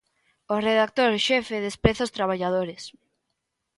O redactor xefe despreza os traballadores.